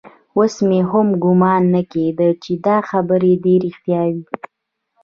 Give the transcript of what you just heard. اوس مې هم ګومان نه کېده چې دا خبرې دې رښتيا وي.